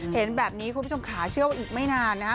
เห็นแบบนี้คุณผู้ชมขาเชื่อว่าอีกไม่นานนะฮะ